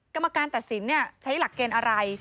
กรรมการตัดสินใช้หลักเกณฑ์อะไร